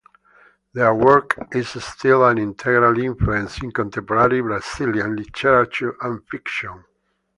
Their work is still an integral influence in contemporary Brazilian literature and fiction.